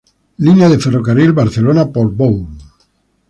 Línea de ferrocarril Barcelona-Portbou.